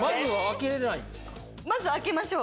まず開けましょう。